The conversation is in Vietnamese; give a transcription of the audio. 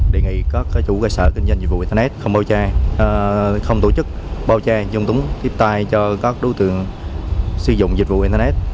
đề nghị các chủ cơ sở kinh doanh dịch vụ internet không tổ chức bao che dùng túng tiếp tay cho các đối tượng sử dụng dịch vụ internet